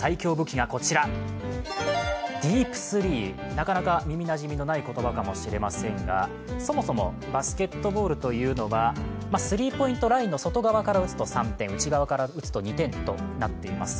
なかなか耳なじみのない言葉かもしれませんが、そもそもバスケットボールというのはスリーポイントラインの外側から打つと３点、内側から打つと２点となっています。